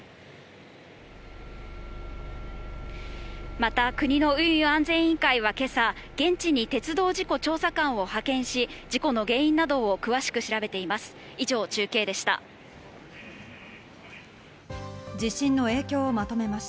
また国の運輸安全委員会は今朝、現地に鉄道事故調査官を派遣し、事故の原因などを詳しく調べています。